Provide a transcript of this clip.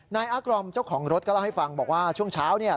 อากรอมเจ้าของรถก็เล่าให้ฟังบอกว่าช่วงเช้าเนี่ย